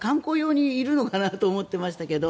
観光用にいるのかなって思ってましたけど。